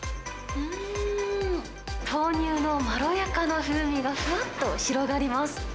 うーん、豆乳のまろやかな風味がふわっと広がります。